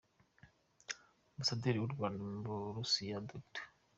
Ambasaderi w’u Rwanda mu Burusiya, Dr.